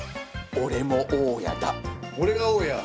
俺も大家。